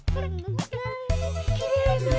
きれいね！